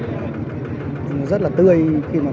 chúng tôi đưa ra đây thì rất là tươi và đa dạng